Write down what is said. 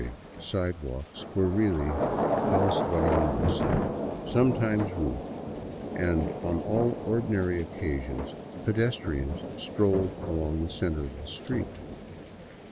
The few sidewalks were really house verandas,' sometimes roofed, and on all ordinary occasions pedestrians strolled along the center of the street.